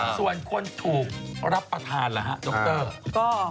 ส่วนคนถูกรับประทานล่ะฮะดร